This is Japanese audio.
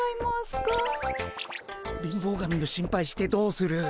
貧乏神の心配してどうする。